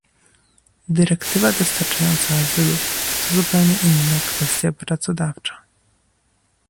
Dyrektywa dotycząca azylu to zupełnie inna kwestia prawodawcza